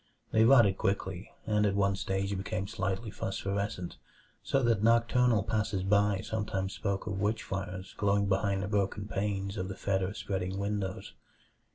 They rotted quickly, and at one stage became slightly phosphorescent; so that nocturnal passers by sometimes spoke of witch fires glowing behind the broken panes of the fetor spreading windows.